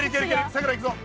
さくらいくぞ！